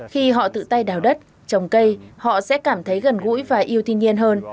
khi họ tự tay đào đất trồng cây họ sẽ cảm thấy gần gũi và yêu thiên nhiên hơn